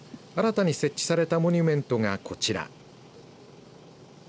新たに設置されたモニュメントがこちら。